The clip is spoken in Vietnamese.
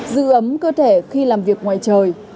giữ ấm cơ thể khi làm việc ngoài trời